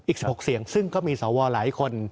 อีก๑๖เสียงซึ่งก็มีสวหลายคน